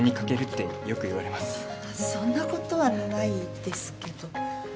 そんなことはないですけど。